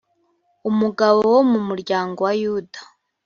umugabo wo mu muryango wa yuda